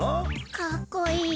かっこいい。